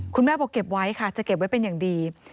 คุณแม่บอกเก็บไว้ค่ะจะเก็บไว้เป็นอย่างดี